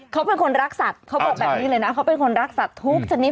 เขาบอกแบบนี้เลยนะเขาเป็นคนรักสัตว์ทุกชนิด